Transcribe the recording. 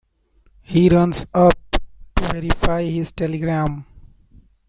He runs up to verify his telegram.